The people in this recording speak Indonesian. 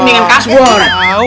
mendingin kas bu